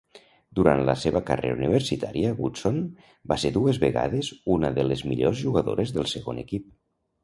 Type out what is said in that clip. Durant la seva carrera universitària, Goodson va ser dues vegades una de les millors jugadores del segon equip.